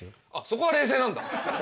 そこは冷静なんだ。